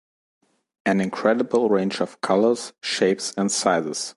An incredible range of colors, shapes and sizes.